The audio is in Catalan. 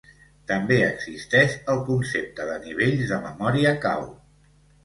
També existeix el concepte de nivells de memòria cau.